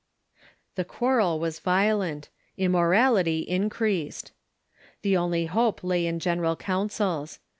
The quarrel was violent. Immorality increased. The only hope lay in general councils.